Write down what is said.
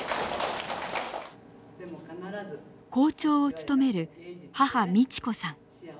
校長を務める母美智子さん。